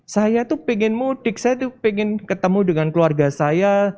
saya tuh pengen mudik saya tuh pengen ketemu dengan keluarga saya